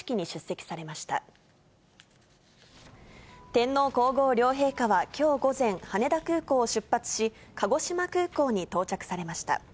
天皇皇后両陛下はきょう午前、羽田空港を出発し、鹿児島空港に到着されました。